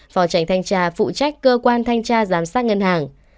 phò tránh thanh cha phụ trách cơ quan thanh cha giám sát ngân hàng